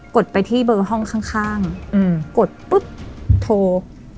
ดไปที่เบอร์ห้องข้างกดปุ๊บโทร